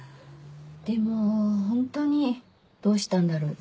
でもホントにどうしたんだろう？